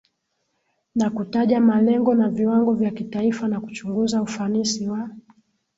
na kutaja malengo na viwango vya kitaifa na kuchunguza ufanisi wa